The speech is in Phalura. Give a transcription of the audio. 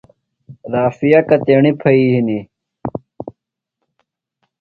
رافعہ کتیݨی پھئیۡ ہِنیۡ؟